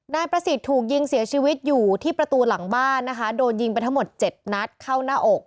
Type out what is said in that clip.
นายประสิทธิ์ถูกยิงเสียชีวิตอยู่ที่ประตูหลังบ้านนะคะโดนยิงไปทั้งหมดเจ็ดนัดเข้าหน้าอก